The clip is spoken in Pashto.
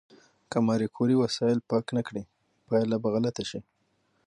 که ماري کوري وسایل پاک نه کړي، پایله به غلطه شي.